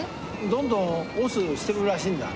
どんどん押忍してるらしいんだ。